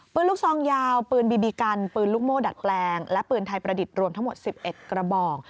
ลูกซองยาวปืนบีบีกันปืนลูกโม่ดัดแปลงและปืนไทยประดิษฐ์รวมทั้งหมด๑๑กระบอก